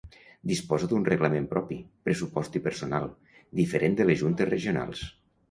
Disposa d'un reglament propi, pressupost i personal, diferent de les juntes regionals.